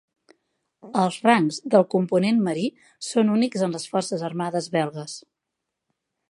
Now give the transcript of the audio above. Els rangs del Component Marí són únics en les forces armades belgues.